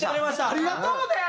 ありがとうね！